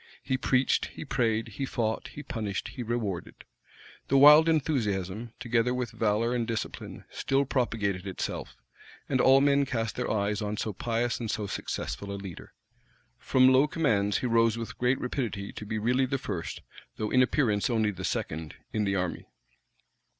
He preached, he prayed, he fought, he punished, he rewarded. The wild enthusiasm, together with valor and discipline, still propagated itself; and all men cast their eyes on so pious and so successful a leader. From low commands, he rose with great rapidity to be really the first, though in appearance only the second, in the army.